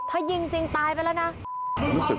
ถ้ายิงจริงตายไปแล้วนะ